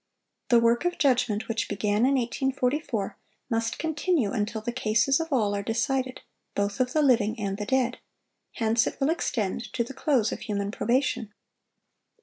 The work of judgment which began in 1844, must continue until the cases of all are decided, both of the living and the dead; hence it will extend to the close of human probation.